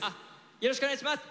よろしくお願いします！